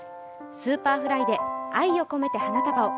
Ｓｕｐｅｒｆｌｙで「愛をこめて花束を」。